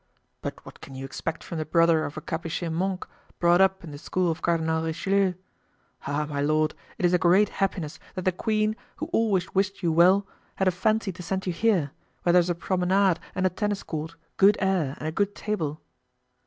"But what can you expect from the brother of a capuchin monk, brought up in the school of Cardinal Richelieu? Ah, my lord, it is a great happiness that the queen, who always wished you well, had a fancy to send you here, where there's a promenade and a tennis court, good air, and a good table."